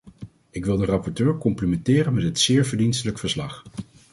Ik wil de rapporteur complimenteren met het zeer verdienstelijk verslag.